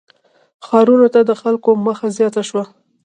• ښارونو ته د خلکو مخه زیاته شوه.